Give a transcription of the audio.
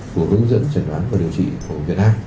của hướng dẫn chẩn đoán và điều trị của việt nam